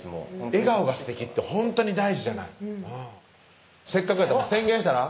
笑顔がすてきってほんとに大事じゃないせっかくやったら宣言したら？